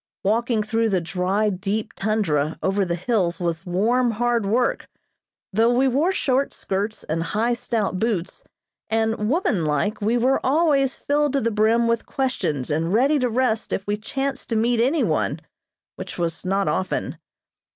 Walking through the dry, deep tundra over the hills was warm, hard work, though we wore short skirts and high, stout boots, and womanlike, we were always filled to the brim with questions and ready to rest if we chanced to meet any one, which was not often.